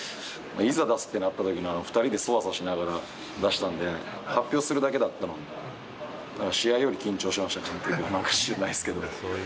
いざ出すってなったときに、２人でそわそわしながら出したんで、発表するだけだったのに、試合より緊張しました、なんか知らないですけど。